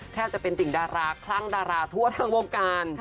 แทบจะเป็นติ่งดาราคลั่งดาราทั่วทั้งวงการ